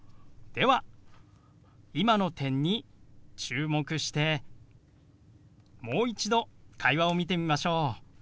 では今の点に注目してもう一度会話を見てみましょう。